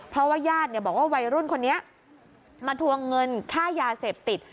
เพราะว่าญาติบอกว่าวัยรุ่นคนนี้มาทวงเงินค่ายาเสพติด